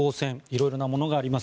色々なものがあります。